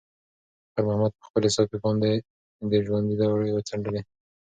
خیر محمد په خپلې صافې باندې د ژوند دوړې وڅنډلې.